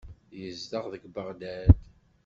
Yezdeɣ deg Beɣdad.